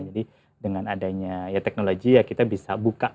jadi dengan adanya teknologi ya kita bisa buka